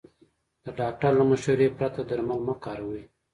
د ډاکټر له مشورې پرته درمل مه کاروئ.